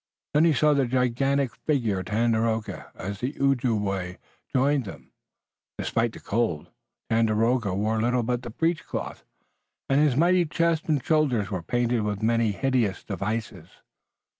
Then he saw the gigantic figure of Tandakora, as the Ojibway joined them. Despite the cold, Tandakora wore little but the breechcloth, and his mighty chest and shoulders were painted with many hideous devices.